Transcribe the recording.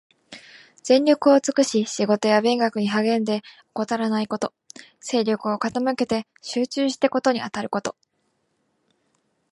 全力を尽くし仕事や勉学に励んで、怠らないこと。精力を傾けて集中して事にあたること。